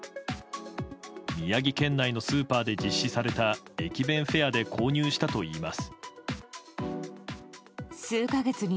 宮城県内のスーパーで実施された駅弁フェアで購入したといいます。